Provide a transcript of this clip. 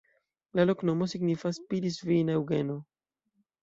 La loknomo signifas: Pilisvina-Eŭgeno.